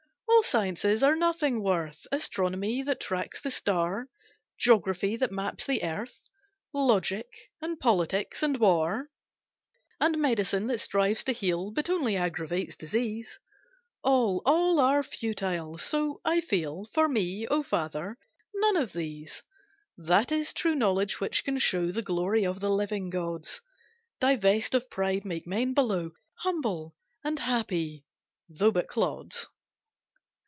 All sciences are nothing worth, Astronomy that tracks the star, Geography that maps the earth, Logic, and Politics, and War, "And Medicine, that strives to heal But only aggravates disease, All, all are futile, so I feel, For me, O father, none of these. That is true knowledge which can show The glory of the living gods, Divest of pride, make men below Humble and happy, though but clods.